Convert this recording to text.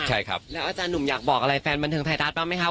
ใช่ครับแล้วอาจารย์หนุ่มอยากบอกอะไรแฟนบันเทิงไทยรัฐบ้างไหมครับ